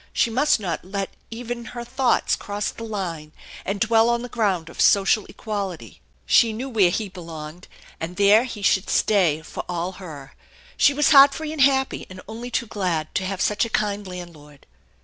She must not let even her thoughts cross the line and dwell on the ground of social equality. She knew where he belonged, and there he should stay for all her. She was heart free and happy, and only too glad tc have such a kind landlord.